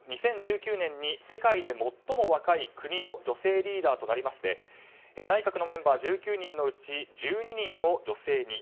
２０１９年に世界で最も若い国の女性リーダーとなりまして内閣のメンバー１９人のうち１２人を女性に。